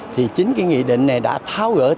thì chính cái nghị định này đã tháo gỡ toàn bộ